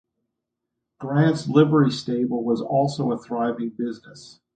Grant's Livery Stable was also a thriving business.